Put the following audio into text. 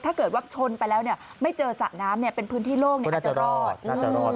ถ้าเกิดว่าชนไปแล้วเนี่ยไม่เจอสระน้ำเนี่ยเป็นพื้นที่โล่งอาจจะรอด